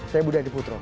saya budi hadi putro